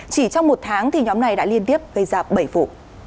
chỉ trong một tháng thì nhóm này đã liên tiếp gây ra bảy vụ